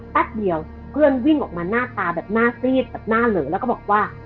แป๊บเดียวเพื่อนวิ่งออกมาหน้าตาแบบหน้าซีดแบบหน้าเหลือแล้วก็บอกว่า